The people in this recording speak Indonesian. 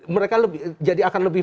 mereka jadi akan lebih